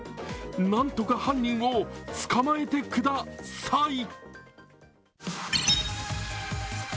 なんとか犯人を捕まえてくだサイ！